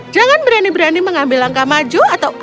jangan berani berani mengambil langkah maju atau aku akan